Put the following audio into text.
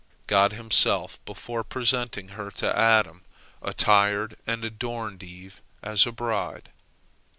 God Himself, before presenting her to Adam, attired and adorned Eve as a bride.